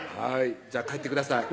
じゃあ帰ってください